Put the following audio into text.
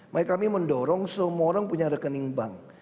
makanya kami mendorong semua orang punya rekening bank